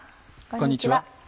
こんにちは。